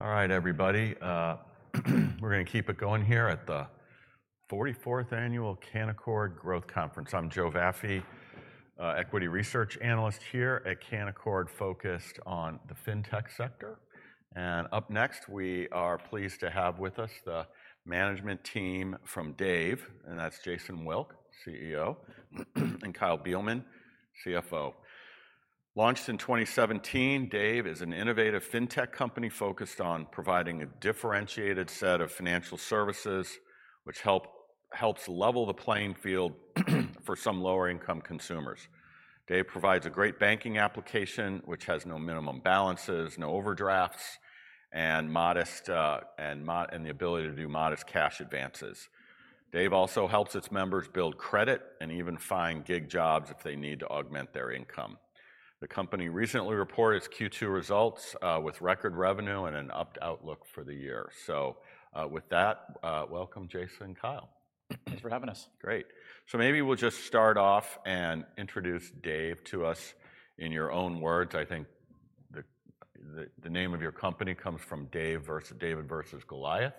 All right, everybody, we're gonna keep it going here at the 44th Annual Canaccord Growth Conference. I'm Joe Vafi, equity research analyst here at Canaccord, focused on the fintech sector. Up next, we are pleased to have with us the management team from Dave, and that's Jason Wilk, CEO, and Kyle Beilman, CFO. Launched in 2017, Dave is an innovative fintech company focused on providing a differentiated set of financial services, which help, helps level the playing field for some lower-income consumers. Dave provides a great banking application, which has no minimum balances, no overdrafts, and modest, and the ability to do modest cash advances. Dave also helps its members build credit and even find gig jobs if they need to augment their income. The company recently reported its Q2 results, with record revenue and an upped outlook for the year. So, with that, welcome, Jason and Kyle. Thanks for having us. Great. So maybe we'll just start off and introduce Dave to us in your own words. I think the name of your company comes from Dave versus... David versus Goliath,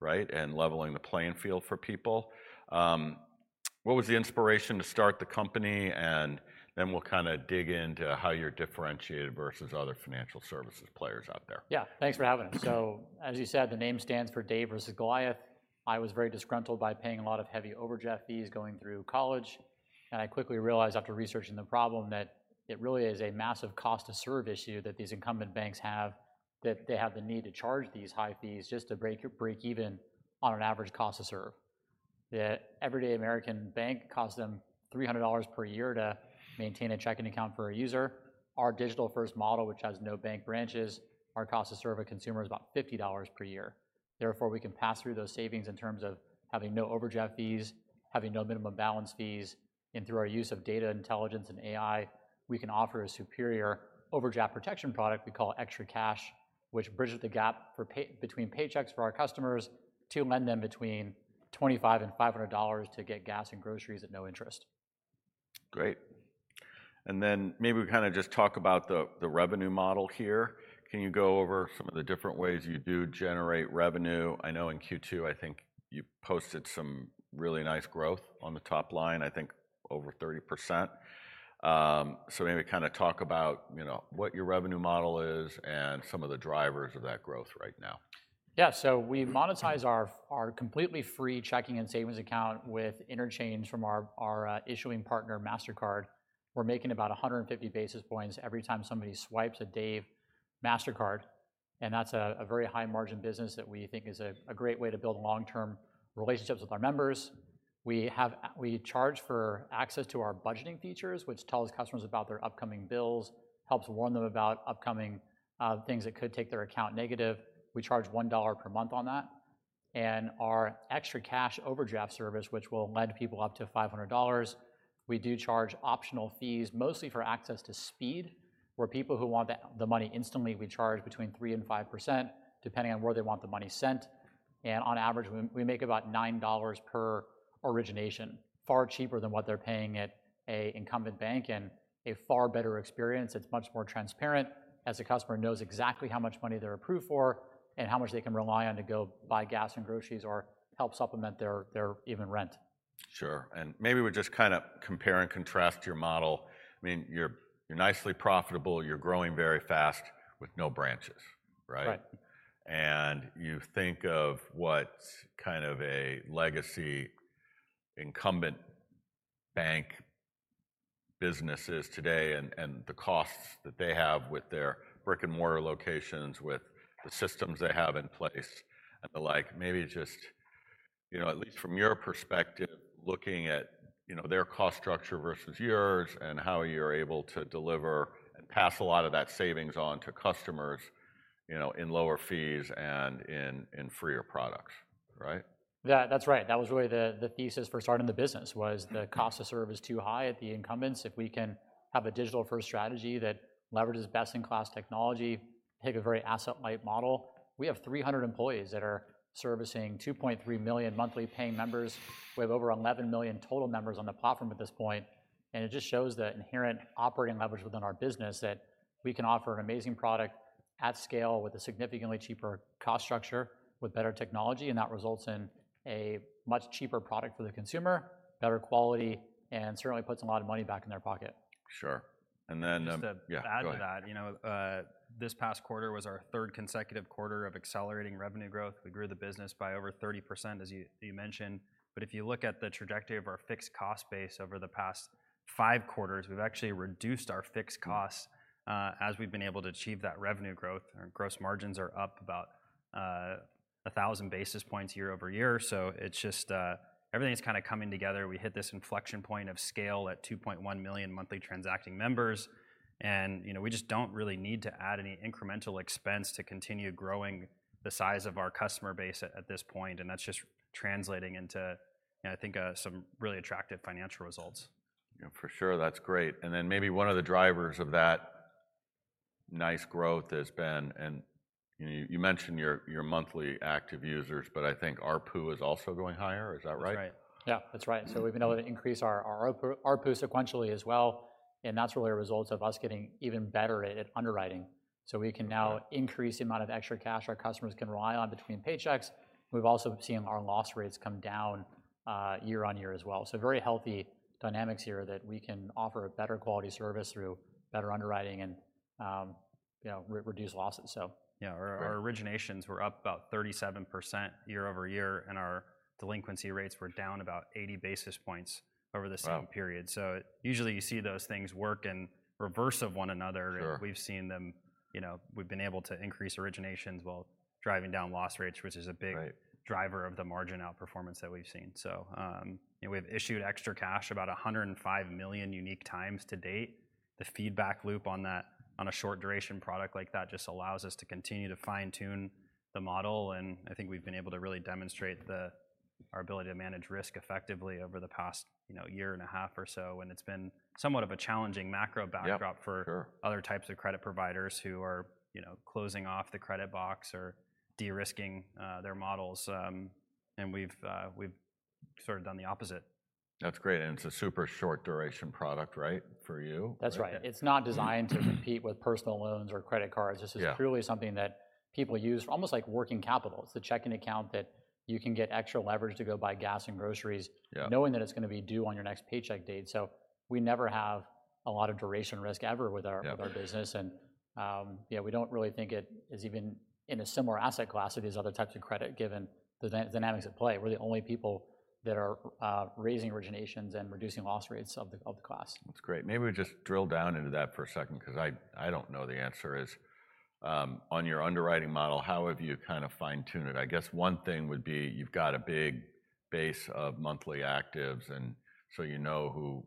right? And leveling the playing field for people. What was the inspiration to start the company? And then we'll kind of dig into how you're differentiated versus other financial services players out there. Yeah. Thanks for having us. So, as you said, the name stands for Dave versus Goliath. I was very disgruntled by paying a lot of heavy overdraft fees going through college, and I quickly realized, after researching the problem, that it really is a massive cost to serve issue that these incumbent banks have, that they have the need to charge these high fees just to break even on an average cost to serve. The everyday American bank costs them $300 per year to maintain a checking account for a user. Our digital-first model, which has no bank branches, our cost to serve a consumer is about $50 per year. Therefore, we can pass through those savings in terms of having no overdraft fees, having no minimum balance fees, and through our use of data intelligence and AI, we can offer a superior overdraft protection product we call ExtraCash, which bridges the gap between paychecks for our customers to lend them between $25 and $500 to get gas and groceries at no interest. Great. And then maybe kind of just talk about the revenue model here. Can you go over some of the different ways you do generate revenue? I know in Q2, I think you posted some really nice growth on the top line, I think over 30%. So maybe kind of talk about, you know, what your revenue model is and some of the drivers of that growth right now. Yeah, so we monetize our completely free checking and savings account with interchange from our issuing partner, Mastercard. We're making about 150 basis points every time somebody swipes a Dave Mastercard, and that's a very high margin business that we think is a great way to build long-term relationships with our members. We charge for access to our budgeting features, which tells customers about their upcoming bills, helps warn them about upcoming things that could take their account negative. We charge $1 per month on that. And our ExtraCash overdraft service, which will lend people up to $500, we do charge optional fees, mostly for access to speed. For people who want the money instantly, we charge between 3% and 5%, depending on where they want the money sent, and on average, we make about $9 per origination. Far cheaper than what they're paying at an incumbent bank, and a far better experience. It's much more transparent, as the customer knows exactly how much money they're approved for and how much they can rely on to go buy gas and groceries or help supplement their even rent. Sure, and maybe we just kind of compare and contrast your model. I mean, you're, you're nicely profitable, you're growing very fast with no branches, right? Right. You think of what kind of a legacy incumbent bank business is today and the costs that they have with their brick-and-mortar locations, with the systems they have in place, and the like. Maybe just, you know, at least from your perspective, looking at, you know, their cost structure versus yours, and how you're able to deliver and pass a lot of that savings on to customers, you know, in lower fees and in freer products, right? That, that's right. That was really the thesis for starting the business, was- Mm-hmm. The cost to serve is too high at the incumbents. If we can have a digital-first strategy that leverages best-in-class technology, take a very asset-light model. We have 300 employees that are servicing 2.3 million monthly paying members. We have over 11 million total members on the platform at this point, and it just shows the inherent operating leverage within our business, that we can offer an amazing product at scale with a significantly cheaper cost structure, with better technology, and that results in a much cheaper product for the consumer, better quality, and certainly puts a lot of money back in their pocket. Sure, and then, Just to- Yeah, go ahead. Add to that, you know, this past quarter was our third consecutive quarter of accelerating revenue growth. We grew the business by over 30%, as you mentioned. But if you look at the trajectory of our fixed cost base over the past five quarters, we've actually reduced our fixed costs as we've been able to achieve that revenue growth. Our gross margins are up about 1,000 basis points year-over-year. So it's just... Everything's kind of coming together. We hit this inflection point of scale at 2.1 million monthly transacting members, and, you know, we just don't really need to add any incremental expense to continue growing the size of our customer base at this point, and that's just translating into, I think, some really attractive financial results. Yeah, for sure. That's great. And then maybe one of the drivers of that nice growth has been, and, you know, you mentioned your, your monthly active users, but I think ARPU is also going higher. Is that right? That's right. Yeah, that's right. So we've been able to increase our ARPU sequentially as well, and that's really a result of us getting even better at underwriting. So we can now increase the amount of ExtraCash our customers can rely on between paychecks. We've also seen our loss rates come down year on year as well. So very healthy dynamics here that we can offer a better quality service through better underwriting and, you know, reduce losses. So, yeah, our- Great... our originations were up about 37% year-over-year, and our delinquency rates were down about 80 basis points over the same period. Wow! Usually, you see those things work in reverse of one another. Sure. We've seen them, you know, we've been able to increase originations while driving down loss rates, which is a big- Right... driver of the margin outperformance that we've seen. So, you know, we've issued extra cash about 105 million unique times to date. The feedback loop on that, on a short duration product like that, just allows us to continue to fine-tune the model, and I think we've been able to really demonstrate the, our ability to manage risk effectively over the past, you know, year and a half or so, and it's been somewhat of a challenging macro backdrop- Yeah, sure... for other types of credit providers who are, you know, closing off the credit box or de-risking, their models. And we've sort of done the opposite. That's great, and it's a super short duration product, right, for you? That's right. It's not designed to compete with personal loans or credit cards. Yeah. This is purely something that people use, almost like working capital. It's the checking account that you can get extra leverage to go buy gas and groceries- Yeah... knowing that it's gonna be due on your next paycheck date. So we never have a lot of duration risk ever with our- Yeah... with our business, and, yeah, we don't really think it is even in a similar asset class of these other types of credit, given the dynamics at play. We're the only people that are raising originations and reducing loss rates of the class. That's great. Maybe we just drill down into that for a second, 'cause I, I don't know the answer is, on your underwriting model, how have you kind of fine-tuned it? I guess one thing would be you've got a big base of monthly actives, and so you know who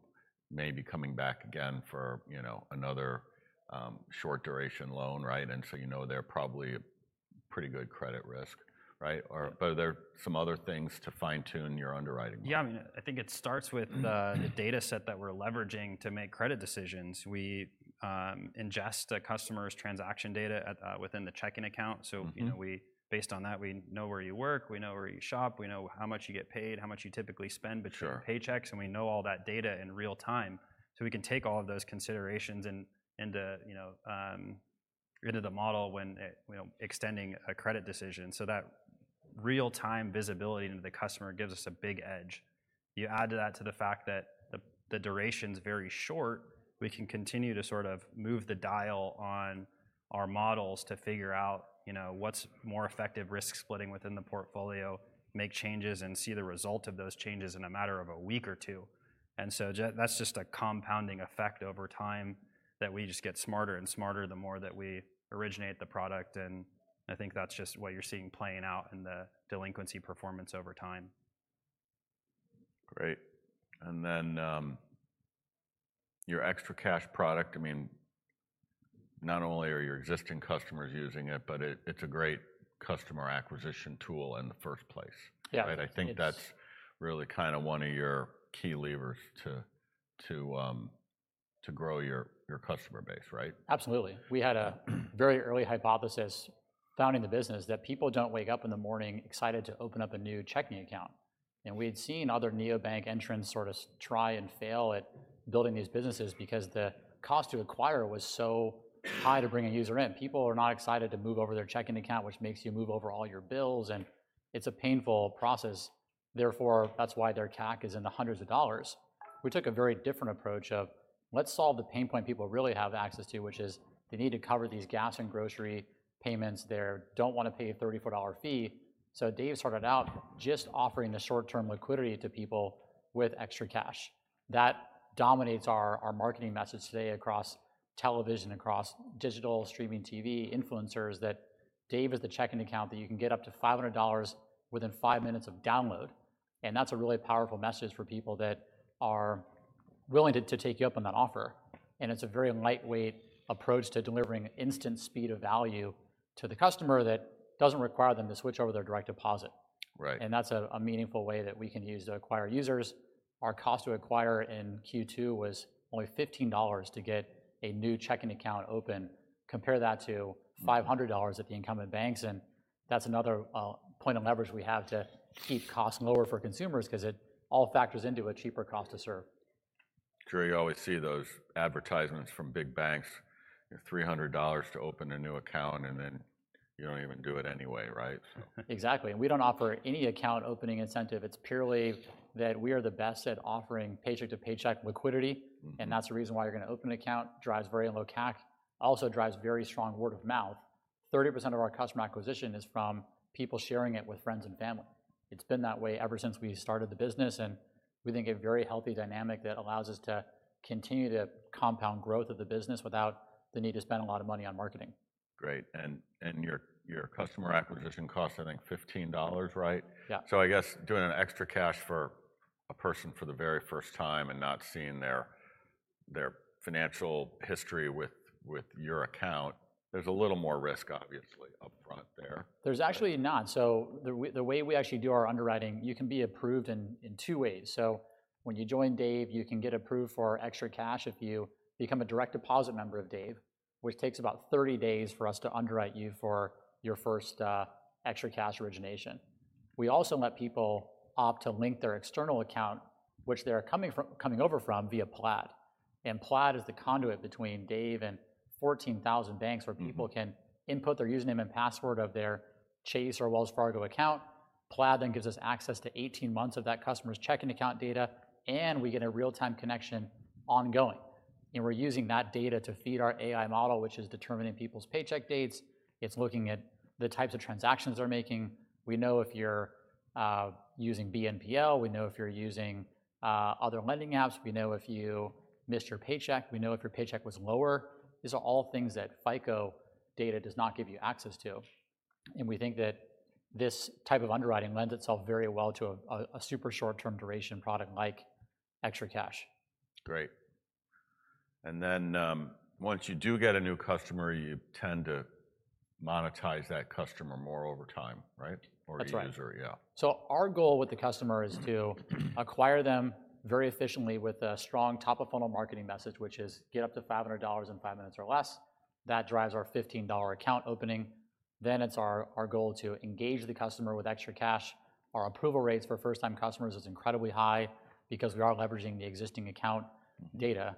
may be coming back again for, you know, another, short duration loan, right? Or- Yeah... but are there some other things to fine-tune your underwriting? Yeah, I mean, I think it starts with the- Mm-hmm... the data set that we're leveraging to make credit decisions. We ingest a customer's transaction data at, within the checking account. Mm-hmm. So, you know, we, based on that, we know where you work, we know where you shop, we know how much you get paid, how much you typically spend between- Sure... paychecks, and we know all that data in real time. So we can take all of those considerations into, you know, into the model when, you know, extending a credit decision. So that real time visibility into the customer gives us a big edge. You add that to the fact that the duration's very short, we can continue to sort of move the dial on our models to figure out, you know, what's more effective risk splitting within the portfolio, make changes, and see the result of those changes in a matter of a week or two. And so that's just a compounding effect over time, that we just get smarter and smarter the more that we originate the product, and I think that's just what you're seeing playing out in the delinquency performance over time. Great. And then, your ExtraCash product, I mean, not only are your existing customers using it, but it, it's a great customer acquisition tool in the first place. Yeah. Right? I think- It is... that's really kind of one of your key levers to grow your customer base, right? Absolutely. We had a very early hypothesis founding the business, that people don't wake up in the morning excited to open up a new checking account, and we had seen other neobank entrants sort of try and fail at building these businesses because the cost to acquire was so high to bring a user in. People are not excited to move over their checking account, which makes you move over all your bills, and it's a painful process. Therefore, that's why their CAC is in the hundreds of dollars. We took a very different approach of, let's solve the pain point people really have access to, which is they need to cover these gas and grocery payments. They don't want to pay a $34 fee. So Dave started out just offering the short-term liquidity to people with extra cash. That dominates our marketing message today across television, across digital, streaming TV, influencers, that Dave is the checking account that you can get up to $500 within 5 minutes of download, and that's a really powerful message for people that are willing to take you up on that offer. It's a very lightweight approach to delivering instant speed of value to the customer that doesn't require them to switch over their direct deposit. Right. And that's a meaningful way that we can use to acquire users. Our cost to acquire in Q2 was only $15 to get a new checking account open. Compare that to $500- Mm... at the incumbent banks, and that's another point of leverage we have to keep costs lower for consumers, 'cause it all factors into a cheaper cost to serve. Sure, you always see those advertisements from big banks, $300 to open a new account, and then you don't even do it anyway, right? So... Exactly, and we don't offer any account opening incentive. It's purely that we are the best at offering paycheck to paycheck liquidity. Mm-hmm. That's the reason why you're gonna open an account, drives very low CAC. Also drives very strong word of mouth. 30% of our customer acquisition is from people sharing it with friends and family. It's been that way ever since we started the business, and we think a very healthy dynamic that allows us to continue to compound growth of the business without the need to spend a lot of money on marketing. Great, and your customer acquisition cost is, I think, $15, right? Yeah. So I guess doing an ExtraCash for a person for the very first time and not seeing their financial history with your account, there's a little more risk, obviously, up front there. There's actually not. So the way we actually do our underwriting, you can be approved in two ways. So when you join Dave, you can get approved for extra cash if you become a direct deposit member of Dave, which takes about 30 days for us to underwrite you for your first extra cash origination.... We also let people opt to link their external account, which they're coming from, coming over from via Plaid. Plaid is the conduit between Dave and 14,000 banks- Mm-hmm. Where people can input their username and password of their Chase or Wells Fargo account. Plaid then gives us access to 18 months of that customer's checking account data, and we get a real-time connection ongoing. And we're using that data to feed our AI model, which is determining people's paycheck dates. It's looking at the types of transactions they're making. We know if you're using BNPL, we know if you're using other lending apps, we know if your paycheck was lower. These are all things that FICO data does not give you access to, and we think that this type of underwriting lends itself very well to a super short-term duration product like ExtraCash. Great. And then, once you do get a new customer, you tend to monetize that customer more over time, right? That's right. Our user, yeah. So our goal with the customer is to acquire them very efficiently with a strong top-of-funnel marketing message, which is, "Get up to $500 in five minutes or less." That drives our $15 account opening. Then it's our goal to engage the customer with extra cash. Our approval rates for first-time customers is incredibly high because we are leveraging the existing account data.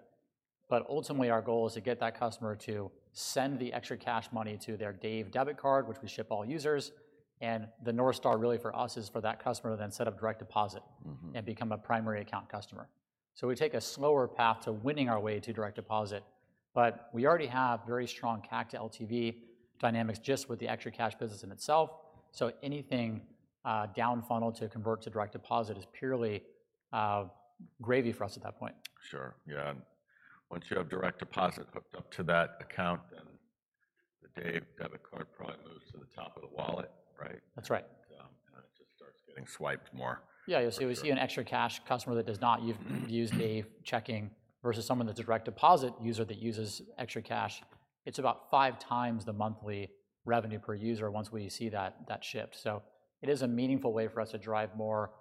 But ultimately, our goal is to get that customer to send the extra cash money to their Dave debit card, which we ship all users, and the North Star really for us, is for that customer to then set up direct deposit- Mm-hmm... and become a primary account customer. So we take a slower path to winning our way to direct deposit, but we already have very strong CAC to LTV dynamics just with the extra cash business in itself, so anything, down funnel to convert to direct deposit is purely, gravy for us at that point. Sure. Yeah, and once you have direct deposit hooked up to that account, then the Dave Debit Card probably moves to the top of the wallet, right? That's right. It just starts getting swiped more. Yeah, you'll see. We see an ExtraCash customer that does not use Dave Checking versus someone that's a direct deposit user that uses ExtraCash. It's about five times the monthly revenue per user once we see that shift. So it is a meaningful way for us to drive more,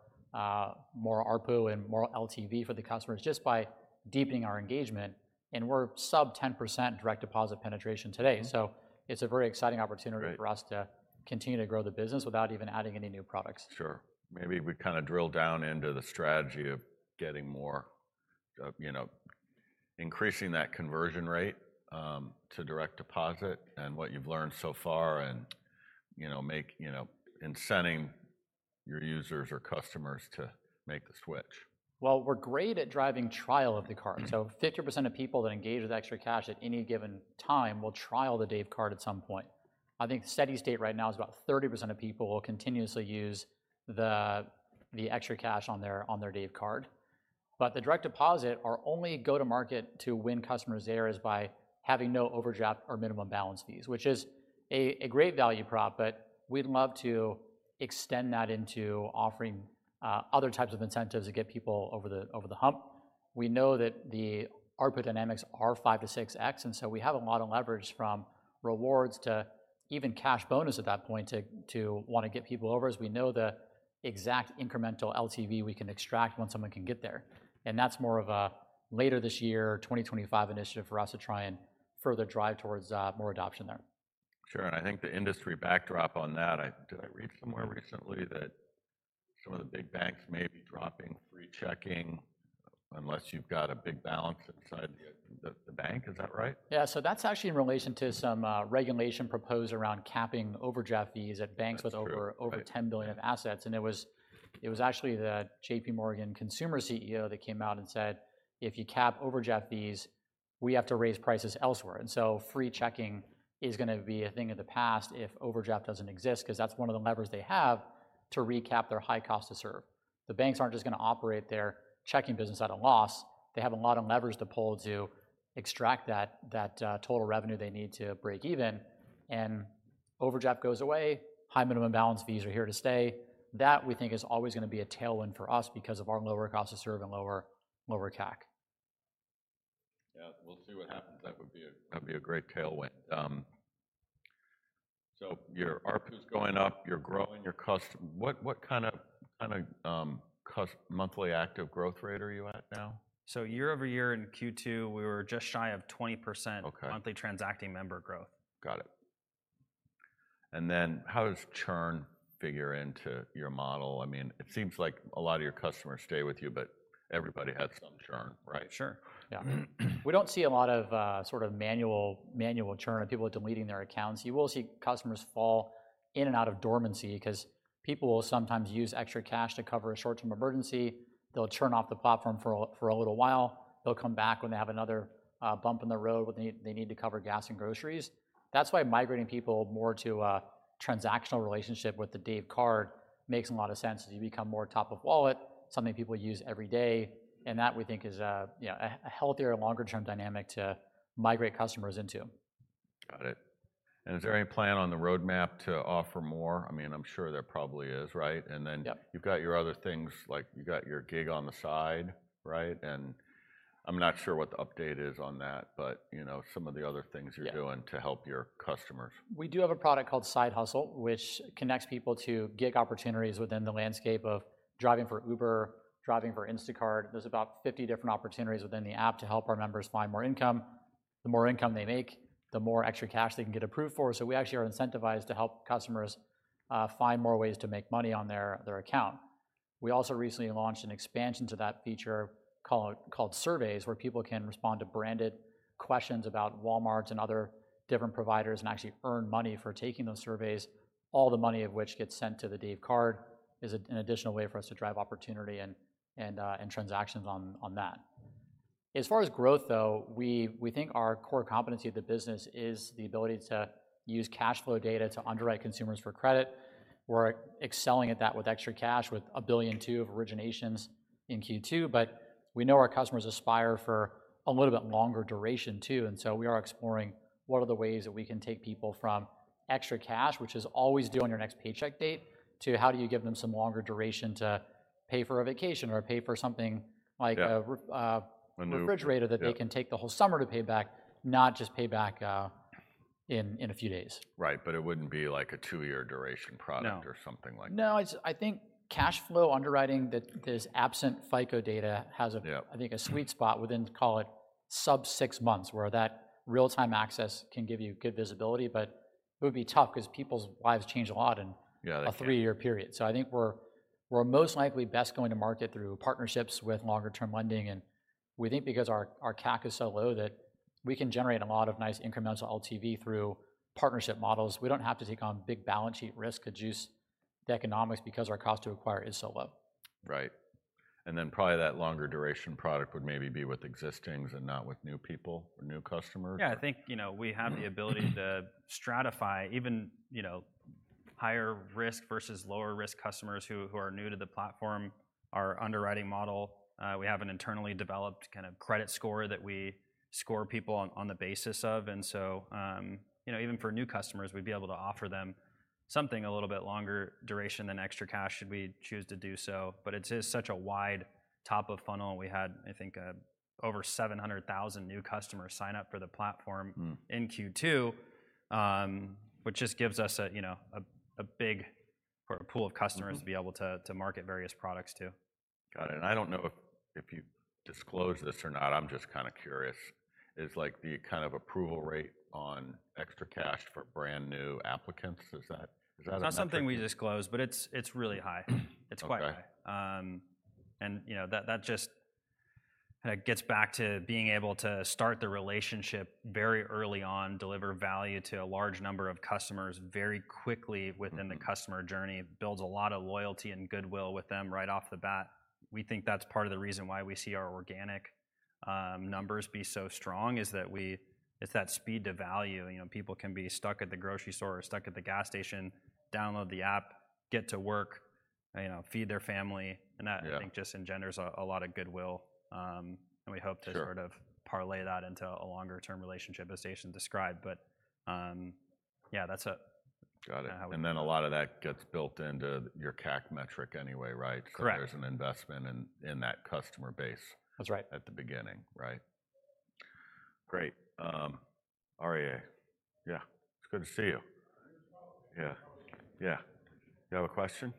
more ARPU and more LTV for the customers just by deepening our engagement, and we're sub 10% direct deposit penetration today. Mm-hmm. It's a very exciting opportunity- Great... for us to continue to grow the business without even adding any new products. Sure. Maybe we kind of drill down into the strategy of getting more of, you know, increasing that conversion rate, to direct deposit and what you've learned so far and, you know, incenting your users or customers to make the switch. Well, we're great at driving trial of the card. Mm-hmm. So 50% of people that engage with extra cash at any given time will trial the Dave Card at some point. I think the steady state right now is about 30% of people will continuously use the extra cash on their Dave Card. But the direct deposit, our only go-to-market to win customers there is by having no overdraft or minimum balance fees, which is a great value prop, but we'd love to extend that into offering other types of incentives to get people over the hump. We know that the ARPU dynamics are 5-6x, and so we have a lot of leverage from rewards to even cash bonus at that point, to want to get people over, as we know the exact incremental LTV we can extract once someone can get there. That's more of a later this year, 2025 initiative for us to try and further drive towards more adoption there. Sure, and I think the industry backdrop on that. Did I read somewhere recently that some of the big banks may be dropping free checking unless you've got a big balance inside the bank? Is that right? Yeah, so that's actually in relation to some regulation proposed around capping overdraft fees at banks- That's true... with over $10 billion of assets. It was actually the JPMorgan consumer CEO that came out and said, "If you cap overdraft fees, we have to raise prices elsewhere." So free checking is gonna be a thing of the past if overdraft doesn't exist, 'cause that's one of the levers they have to recap their high cost to serve. The banks aren't just gonna operate their checking business at a loss, they have a lot of levers to pull to extract that total revenue they need to break even. Overdraft goes away, high minimum balance fees are here to stay. That, we think, is always gonna be a tailwind for us because of our lower cost to serve and lower CAC. Yeah, we'll see what happens. That would be a, that'd be a great tailwind. So your ARPU's going up, you're growing your customers. What, what kind of customer monthly active growth rate are you at now? Year-over-year in Q2, we were just shy of 20%. Okay... monthly transacting member growth. Got it. And then how does churn figure into your model? I mean, it seems like a lot of your customers stay with you, but everybody had some churn, right? Sure. Yeah. We don't see a lot of sort of manual churn of people deleting their accounts. You will see customers fall in and out of dormancy, 'cause people will sometimes use ExtraCash to cover a short-term emergency. They'll churn off the platform for a little while, they'll come back when they have another bump in the road when they need to cover gas and groceries. That's why migrating people more to a transactional relationship with the Dave card makes a lot of sense, as you become more top of wallet, something people use every day, and that we think is a you know a healthier longer-term dynamic to migrate customers into. Got it. Yeah. Is there any plan on the roadmap to offer more? I mean, I'm sure there probably is, right? Yeah. And then you've got your other things, like you've got your gig on the side, right? And I'm not sure what the update is on that, but, you know, some of the other things you're- Yeah... doing to help your customers. We do have a product called Side Hustle, which connects people to gig opportunities within the landscape of driving for Uber, driving for Instacart. There's about 50 different opportunities within the app to help our members find more income.... the more income they make, the more ExtraCash they can get approved for. So we actually are incentivized to help customers find more ways to make money on their account. We also recently launched an expansion to that feature called Surveys, where people can respond to branded questions about Walmart and other different providers, and actually earn money for taking those surveys. All the money of which gets sent to the Dave card is an additional way for us to drive opportunity and transactions on that. As far as growth, though, we think our core competency of the business is the ability to use cash flow data to underwrite consumers for credit. We're excelling at that with ExtraCash, with $1.2 billion of originations in Q2. But we know our customers aspire for a little bit longer duration, too, and so we are exploring what are the ways that we can take people from ExtraCash, which is always due on your next paycheck date, to how do you give them some longer duration to pay for a vacation or pay for something like a- Yeah... a refrigerator- Yeah - that they can take the whole summer to pay back, not just pay back, in a few days. Right. But it wouldn't be like a two-year duration product- No - or something like that? No, it's I think cash flow underwriting that is absent FICO data has a- Yeah... I think, a sweet spot within, call it sub-6 months, where that real-time access can give you good visibility. But it would be tough because people's lives change a lot in- Yeah, they can.... a three-year period. So I think we're most likely best going to market through partnerships with longer term lending, and we think because our CAC is so low, that we can generate a lot of nice incremental LTV through partnership models. We don't have to take on big balance sheet risk to juice the economics because our cost to acquire is so low. Right. And then probably that longer duration product would maybe be with existings and not with new people or new customers? Yeah, I think, you know, we have the ability to stratify even, you know, higher risk versus lower risk customers who are new to the platform. Our underwriting model, we have an internally developed kind of credit score that we score people on, on the basis of, and so, you know, even for new customers, we'd be able to offer them something a little bit longer duration than extra cash, should we choose to do so. But it is such a wide top of funnel. We had, I think, over 700,000 new customers sign up for the platform- Mm... in Q2, which just gives us, you know, a bigger pool of customers- Mm to be able to, to market various products, too. Got it. I don't know if, if you've disclosed this or not. I'm just kind of curious. Is like the kind of approval rate on ExtraCash for brand new applicants, is that, is that a- Not something we disclose, but it's, it's really high. Okay. It's quite high. And, you know, that just gets back to being able to start the relationship very early on, deliver value to a large number of customers very quickly within- Mm... the customer journey. Builds a lot of loyalty and goodwill with them right off the bat. We think that's part of the reason why we see our organic numbers be so strong, is that it's that speed to value. You know, people can be stuck at the grocery store or stuck at the gas station, download the app, get to work, you know, feed their family, and that- Yeah... I think, just engenders a lot of goodwill. And we hope to- Sure... sort of parlay that into a longer-term relationship, as Jason described. But, yeah, that's it. Got it. Yeah. A lot of that gets built into your CAC metric anyway, right? Correct. There's an investment in that customer base- That's right... at the beginning. Right. Great. Aria, yeah, it's good to see you. Yeah, yeah. You have a question?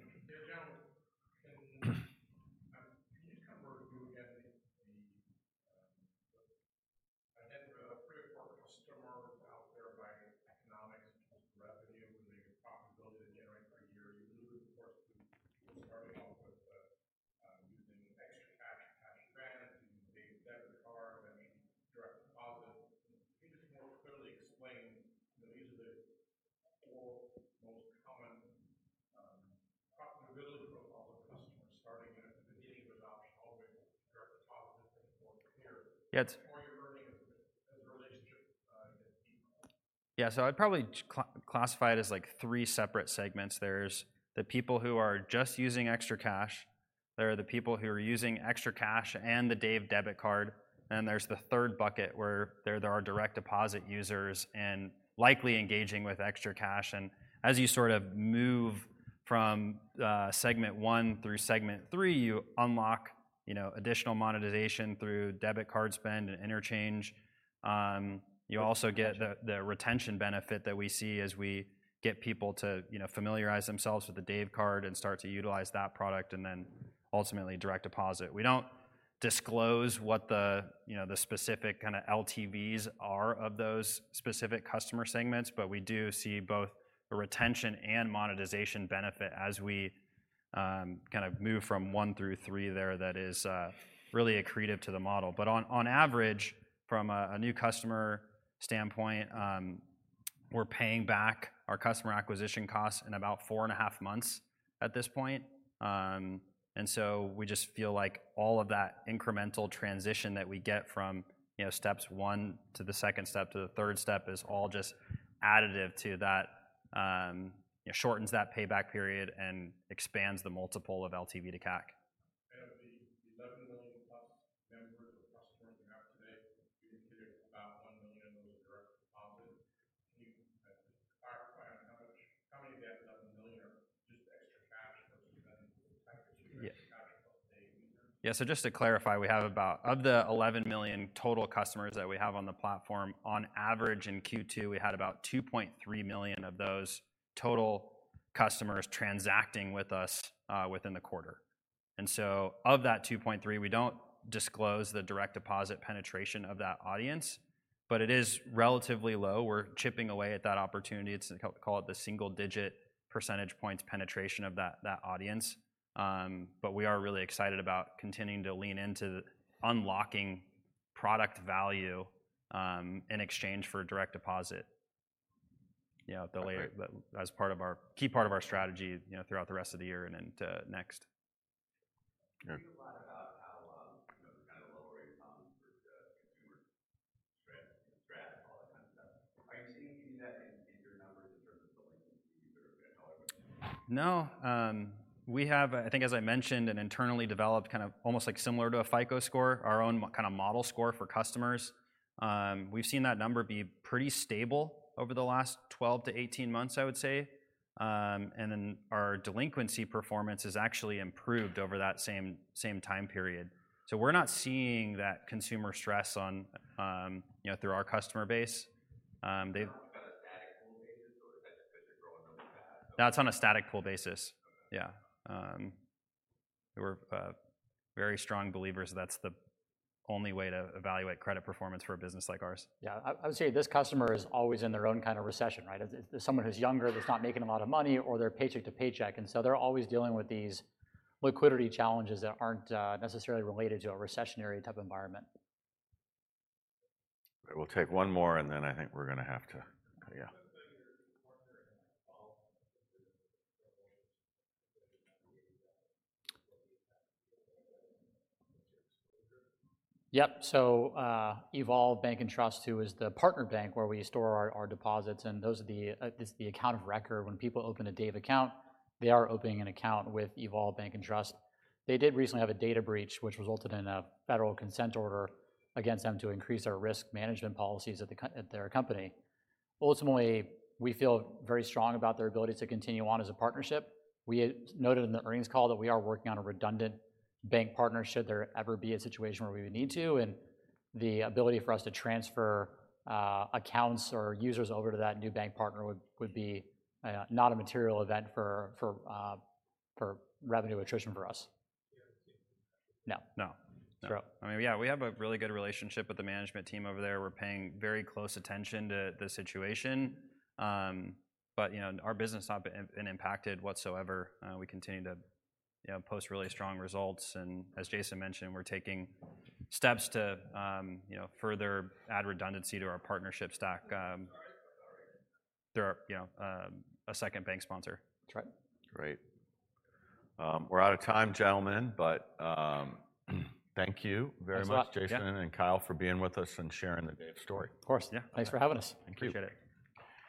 you know, additional monetization through debit card spend and interchange. You also get the retention benefit that we see as we get people to, you know, familiarize themselves with the Dave card and start to utilize that product, and then ultimately, direct deposit. We don't disclose what the, you know, the specific kind of LTVs are of those specific customer segments, but we do see both a retention and monetization benefit as we kind of move from 1 through 3 there. That is really accretive to the model. But on average, from a new customer standpoint, we're paying back our customer acquisition costs in about 4.5 months at this point. And so we just feel like all of that incremental transition that we get from, you know, steps 1 to the second step, to the third step, is all just additive to that. It shortens that payback period and expands the multiple of LTV to CAC. Of the 11 million plus members or customers you have today, you get about 1 million of those direct deposit. Can you clarify how much, how many of the 11 million are just extra cash versus extra cash? Yeah. So just to clarify, of the 11 million total customers that we have on the platform, on average, in Q2, we had about 2.3 million of those total-... customers transacting with us within the quarter. And so of that 2.3, we don't disclose the direct deposit penetration of that audience, but it is relatively low. We're chipping away at that opportunity. It's call it the single digit percentage points penetration of that audience. But we are really excited about continuing to lean into unlocking product value in exchange for direct deposit. Yeah, the way- Great But as part of our, key part of our strategy, you know, throughout the rest of the year and into next. Okay. We hear a lot about how, you know, the kind of lower income for, consumer stress, all that kind of stuff. Are you seeing any of that in your numbers in terms of delinquency or anything like that? No. We have, I think as I mentioned, an internally developed, kind of almost like similar to a FICO score, our own kind of model score for customers. We've seen that number be pretty stable over the last 12-18 months, I would say. And then our delinquency performance has actually improved over that same, same time period. So we're not seeing that consumer stress on, you know, through our customer base. They've- Is that on a static pool basis, or is that because you're growing on the back? That's on a static pool basis. Okay. Yeah. We're very strong believers that's the only way to evaluate credit performance for a business like ours. Yeah, I, I would say this customer is always in their own kind of recession, right? As someone who's younger, that's not making a lot of money or they're paycheck to paycheck, and so they're always dealing with these liquidity challenges that aren't necessarily related to a recessionary type environment. We'll take one more, and then I think we're gonna have to... Yeah. You're partnering with Evolve. Yep. So, Evolve Bank & Trust, who is the partner bank, where we store our, our deposits, and those are the account of record. When people open a Dave account, they are opening an account with Evolve Bank & Trust. They did recently have a data breach, which resulted in a federal consent order against them to increase their risk management policies at their company. Ultimately, we feel very strong about their ability to continue on as a partnership. We had noted in the earnings call that we are working on a redundant bank partner, should there ever be a situation where we would need to, and the ability for us to transfer, accounts or users over to that new bank partner would, would be, not a material event for, for, for revenue attrition for us. Yeah, okay. No. No. No. I mean, yeah, we have a really good relationship with the management team over there. We're paying very close attention to the situation, but, you know, our business not been impacted whatsoever. We continue to, you know, post really strong results, and as Jason mentioned, we're taking steps to, you know, further add redundancy to our partnership stack. Sorry, sorry. There are, you know, a second bank sponsor. That's right. Great. We're out of time, gentlemen, but thank you very much- Thanks a lot.... Jason and Kyle, for being with us and sharing the Dave story. Of course. Yeah. Thanks for having us. Thank you. Appreciate it.